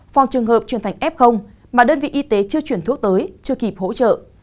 phòng trường hợp chuyển thành f mà đơn vị y tế chưa chuyển thuốc tới chưa kịp hỗ trợ